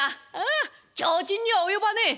「ああ提灯には及ばねえ」。